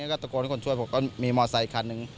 ก็ตะโกนให้คนช่วยบอกมีมอสไซคันหนึ่ง